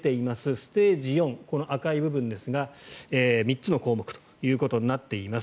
ステージ４、赤い部分ですが３つの項目ということになっています。